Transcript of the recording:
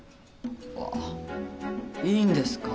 わぁいいんですか？